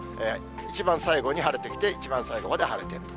一番最後に晴れてきて、一番最後まで晴れていると。